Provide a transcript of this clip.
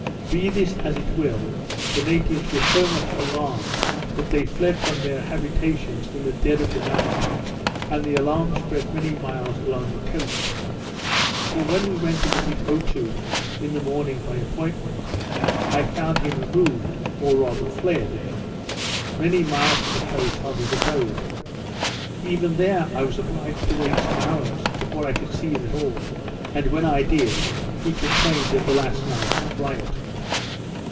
Be this as it will, the natives were so much alarmed, that they fled from their habitations in the dead of the night, and the alarm spread many miles along the coast. For when I went to visit Otoo, in the morning, by appointment, I found him removed, or rather fled, many miles from the place of his abode. Even there I was obliged to wait some hours, before I could see him at all; and when I did, he complained of the last night's riot.